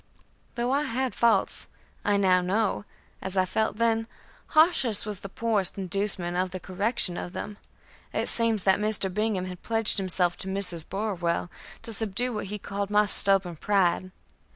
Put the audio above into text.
Though I had faults, I know now, as I felt then, harshness was the poorest inducement for the correction of them. It seems that Mr. Bingham had pledged himself to Mrs. Burwell to subdue what he called my "stubborn pride."